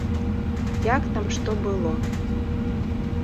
Як там што было.